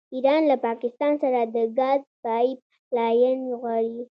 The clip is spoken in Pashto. ایران له پاکستان سره د ګاز پایپ لاین غواړي.